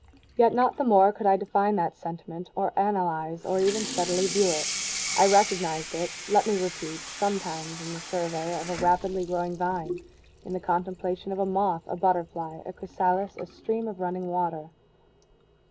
Yet not the more could I define that sentiment, or analyze, or even steadily view it. I recognized it, let me repeat, sometimes in the survey of a rapidly growing vine in the contemplation of a moth, a butterfly, a chrysalis, a stream of running water.